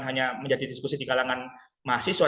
hanya menjadi diskusi di kalangan mahasiswa